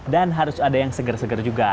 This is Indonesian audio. dan harus ada yang seger seger juga